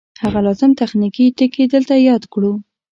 هغه لازم تخنیکي ټکي دلته یاد کړو